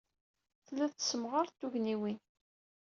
Telliḍ tessemɣareḍ tugniwin.